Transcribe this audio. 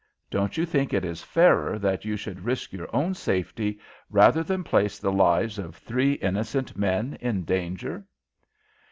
Don't you think it is fairer that you should risk your own safety rather than place the lives of three innocent men in danger?"